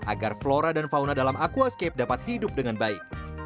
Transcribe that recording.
agar flora dan fauna dalam aquascape dapat hidup dengan baik